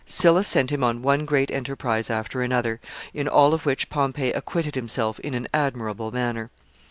Sylla sent him on one great enterprise after another, in all of which Pompey acquitted himself in an admirable manner.